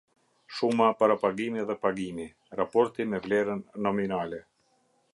Shuma, Parapagimi dhe Pagimi: Raporti me Vlerën Nominale.